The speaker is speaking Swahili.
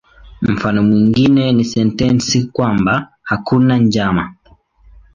Mfano mwingine ni sentensi kwamba "hakuna njama".